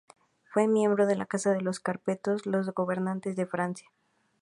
Fue miembro de la Casa de los Capetos, los gobernantes de Francia.